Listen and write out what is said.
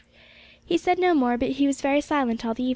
He said no more, but he was very silent all the evening.